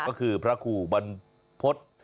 ก็คือพระครูบรรพฤษ